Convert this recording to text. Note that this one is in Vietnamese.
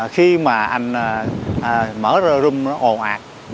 khi mà anh mở rơ rung nó ồn ạt